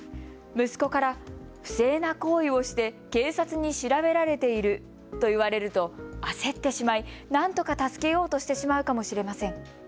息子から不正な行為をして警察に調べられていると言われると焦ってしまいなんとか助けようとしてしまうかもしれません。